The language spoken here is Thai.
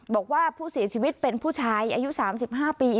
บอกว่าผู้เสียชีวิตเป็นผู้ชายอายุ๓๕ปี